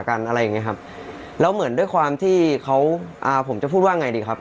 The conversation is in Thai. ครับแล้วเหมือนด้วยความที่เขาอ่าผมจะพูดว่าไงดีครับ